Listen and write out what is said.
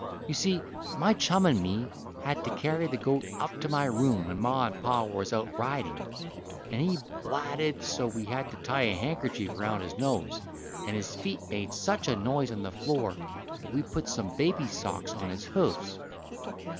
You see, my chum and me had to carry the goat up to my room when Ma and Pa was out riding, and he blatted so we had to tie a handkerchief around his nose, and his feet made such a noise on the floor that we put some baby's socks on his hoofs.